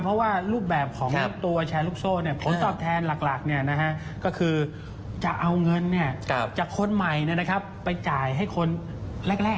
เพราะว่ารูปแบบของตัวแชร์ลูกโซ่ผลตอบแทนหลักก็คือจะเอาเงินจากคนใหม่ไปจ่ายให้คนแรก